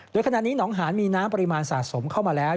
โดยขณะนี้หนองหานมีน้ำปริมาณสะสมเข้ามาแล้ว